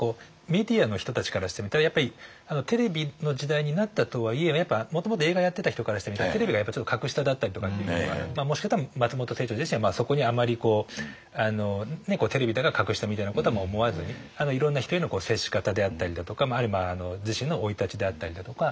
メディアの人たちからしてみたらやっぱりテレビの時代になったとはいえやっぱもともと映画やってた人からしてみたらテレビがやっぱちょっと格下だったりとかっていうことがもしかしたら松本清張自身はそこにあまりこうテレビだから格下みたいなことは思わずにいろんな人への接し方であったりだとか自身の生い立ちであったりだとか。